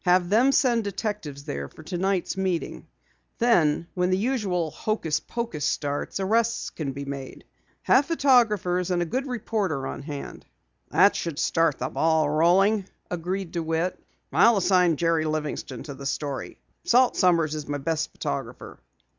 Have them send detectives there for tonight's meeting. Then when the usual hocus pocus starts, arrests can be made. Have photographers and a good reporter on hand." "That should start the ball rolling," agreed DeWitt. "I'll assign Jerry Livingston to the story. Salt Sommers is my best photographer."